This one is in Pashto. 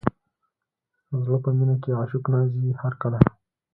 زړه په مینه کې عاشق نه ځي هر کله.